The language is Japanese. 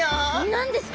何ですか？